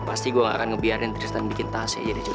pasti gue gak akan ngebiarin tristan bikin tasnya jadi jodoh cinta